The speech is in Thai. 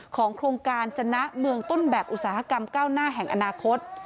โครงการจนะเมืองต้นแบบอุตสาหกรรมก้าวหน้าแห่งอนาคต